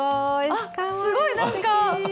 あっすごいなんか。